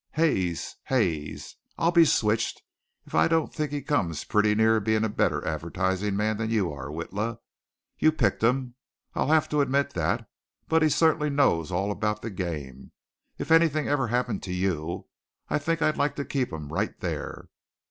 "Hayes! Hayes! I'll be switched if I don't think he comes pretty near being a better advertising man than you are, Witla. You picked him, I'll have to admit that, but he certainly knows all about the game. If anything ever happened to you, I think I'd like to keep him right there."